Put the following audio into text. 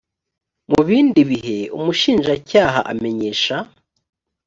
mu bindi bihe umushinjacyaha amenyesha